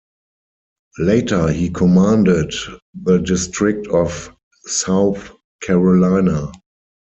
Later he commanded the district of South Carolina.